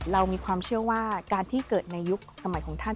เรามีความเชื่อว่าการที่เกิดในยุคสมัยของท่าน